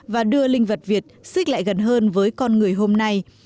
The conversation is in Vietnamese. và đưa linh vật việt xích lại gần hơn với con người hôm nay